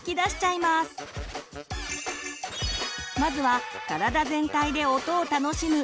まずは体全体で音を楽しむ